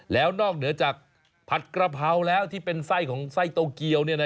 แล้วนอกเหนือจากผัดกระเพราแล้วที่เป็นไส้ของไส้โตเกียว